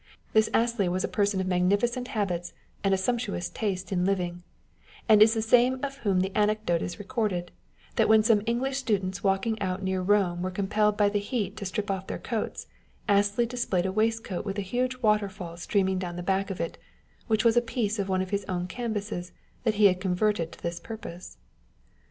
This Astley was a person of magnificent habits and a sumptuous taste in living ; and is the same of whom the anecdote is recorded, that when some English students walking out near Rome were compelled by the heat to strip off their coats, Astley displayed a waistcoat with a huge waterfall streaming down the back of it, which was a piece of one of his own canvases that he had converted to this purpose.